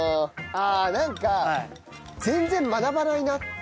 ああなんか全然学ばないなって。